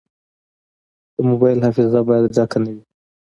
د موبایل حافظه باید ډکه نه وي.